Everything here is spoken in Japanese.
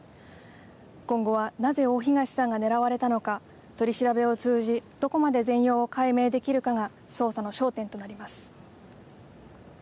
今後は、なぜ大東さんが狙われたのか取り調べを通じどこまで全容を解明できるかが捜査の焦点となります。